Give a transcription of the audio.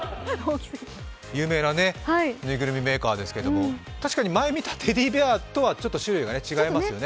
有名な縫いぐるみメーカーですけれども、たしかに前に見たテディベアとは種類が違いますね。